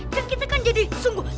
kan kita jadi sungguh